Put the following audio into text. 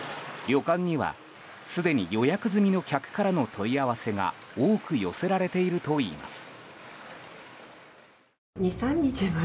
旅館には、すでに予約済みの客からの問い合わせが多く寄せられているといいます。